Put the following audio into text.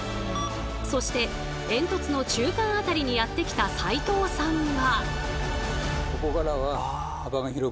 そして煙突の中間辺りにやって来た齋藤さんは。